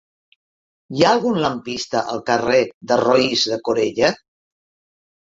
Hi ha algun lampista al carrer de Roís de Corella?